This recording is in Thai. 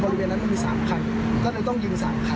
พอทีรถที่สุนัขนั่งบริเวณนั้นมันมีสามคันก็เลยต้องยิงสามคัน